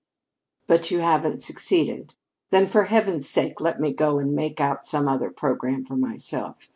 "But you haven't succeeded? Then, for heaven's sake, let me go and make out some other programme for myself.